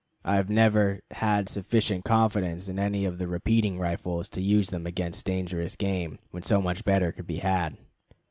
I have never had sufficient confidence in any of the repeating rifles to use them against dangerous game, when so much better could be had.